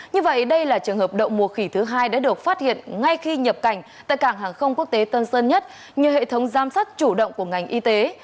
như vậy đây là trường hợp đậu mùa khỉ thứ hai đã được phát hiện ngay khi nhập cảnh tại cảng hàng không quốc tế tân sơn nhất như hệ thống giám sát chủ động của ngành y tế